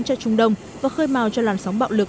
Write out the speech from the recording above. cho trung đông và khơi màu cho làn sóng bạo lực